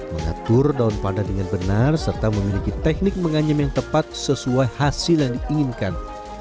mengatur daun pandan dengan benar serta memiliki teknik menganyam yang tepat sesuai hasil yang diinginkan